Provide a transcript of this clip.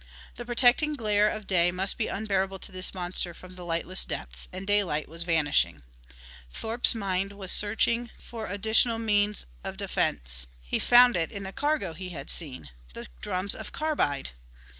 The protecting glare of day must be unbearable to this monster from the lightless depths, and daylight was vanishing. Thorpe's mind was searching for additional means of defense. He found it in the cargo he had seen. The drums of carbide!